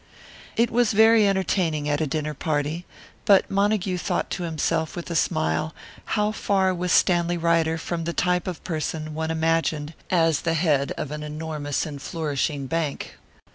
It was very entertaining at a dinner party; but Montague thought to himself with a smile how far was Stanley Ryder from the type of person one imagined as the head of an enormous and flourishing bank.